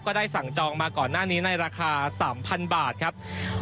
ได้สั่งจองมาก่อนหน้านี้ในราคา๓๐๐บาทครับ